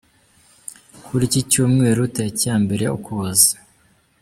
Kuri iki Cyumweru tariki ya Ukuboza.